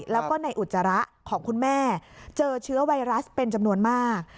แล้วก็ในอุจจาระของคุณแม่เจอเชื้อไวรัสเป็นจำนวนมาก